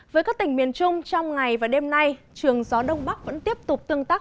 với các tỉnh miền trung trong ngày và đêm nay trường gió đông bắc vẫn tiếp tục tương tác